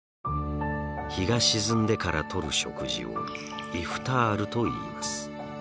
日が沈んでからとる食事をイフタールといいます。